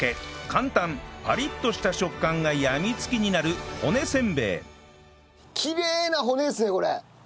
簡単パリッとした食感がやみつきになるきれいな骨ですねこれ。